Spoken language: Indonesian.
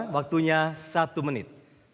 waktunya satu menit